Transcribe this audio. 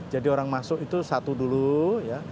jadi orang masuk itu satu dulu ya